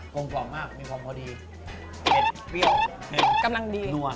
ลมกล่อมมากมีความพอดีเผ็ดเปรี้ยวกำลังดีนัว